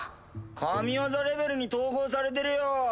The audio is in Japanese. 神業レベルに統合されてるよ。